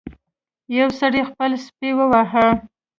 یو سړي خپل سپی وواهه.